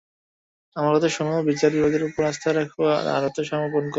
আমার কথা শোনো, বিচার বিভাগের উপর আস্থা রাখো আর আত্মসমর্পণ করো।